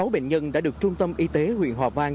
sáu bệnh nhân đã được trung tâm y tế huyện hòa vang